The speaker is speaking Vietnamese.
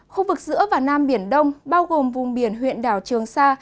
khu vực giữa và nam biển đông bao gồm vùng biển huyện đảo trường sa